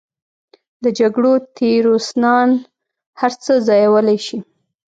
د جګړو تیورسنان هر څه ځایولی شي.